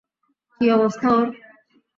কী অবস্থা ওর?